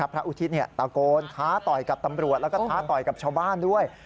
อุทิศตะโกนท้าต่อยกับตำรวจแล้วก็ท้าต่อยกับชาวบ้านด้วย